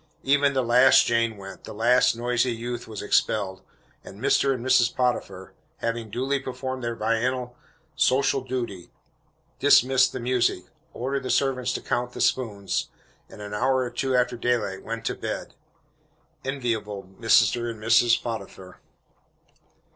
Even the last Jane went the last noisy youth was expelled and Mr. and Mrs. Potiphar, having duly performed their biennial social duty, dismissed the music, ordered the servants to count the spoons, and an hour or two after daylight went to bed. Enviable Mr. and Mrs. Potiphar!